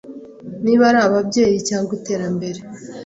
niba ari ababyeyi cg iterambere